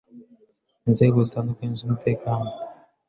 inzego zitandukanye z’umutekano,